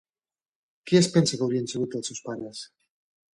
Qui es pensa que haurien sigut els seus pares?